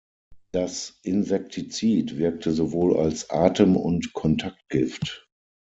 Das Insektizid wirkte sowohl als Atem- und Kontaktgift.